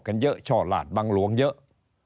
กันเยอะช่อลาดบังหลวงเยอะ